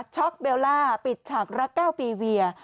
็อกเบลล่าปิดฉากรัก๙ปีเวีย